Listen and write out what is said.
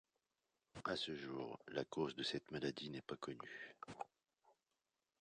À ce jour, la cause de cette maladie n'est pas connue.